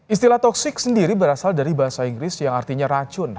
istilah toxic sendiri berasal dari bahasa inggris yang artinya racun